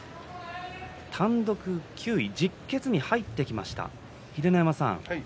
単独９位に入ってきました。